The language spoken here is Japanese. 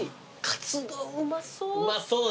かつ丼うまそう。